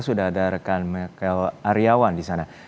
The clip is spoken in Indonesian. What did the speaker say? sudah ada rekan michael aryawan di sana